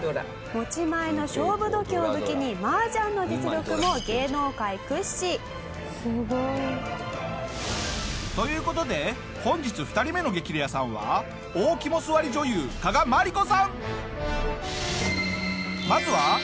「持ち前の勝負度胸を武器に麻雀の実力も芸能界屈指」「すごい」という事で本日２人目の激レアさんはまずはなぜ加賀さんの肝が据わったのか？